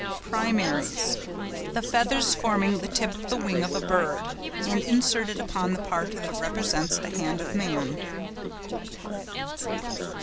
PRIMARIES.—The feathers forming the tip of the wing of a bird, and inserted upon that part which represents the hand of man.